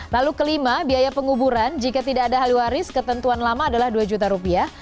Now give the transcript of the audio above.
lalu kelima biaya penguburan jika tidak ada ahli waris ketentuan lama adalah dua juta rupiah